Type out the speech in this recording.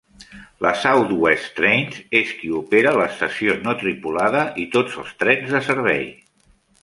La South West Trains és qui opera l'estació no tripulada i tots els trens de servei.